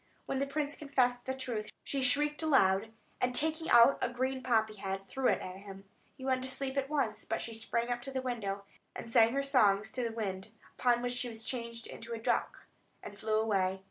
When the prince confessed the truth, she shrieked aloud, and taking out a green poppy head, threw it at him. He went to sleep at once; but she sprang up to the window, sang her songs to the winds; upon which she was changed into a duck, and flew away.